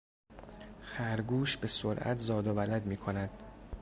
خرگوش به سرعت زاد و ولد میکند.